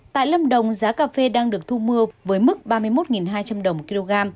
tại lâm đồng giá cà phê đang được thu mưa với mức ba mươi một hai trăm linh đồng một kg